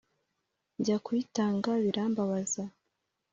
Njya kuyitanga birambabaza